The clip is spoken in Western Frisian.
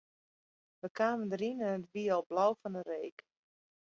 Wy kamen deryn en it wie al blau fan 'e reek.